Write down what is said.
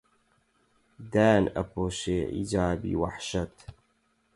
دایان ئەپۆشێ حیجابی وەحشەت